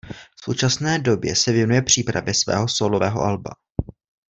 V současné době se věnuje přípravě svého sólového alba.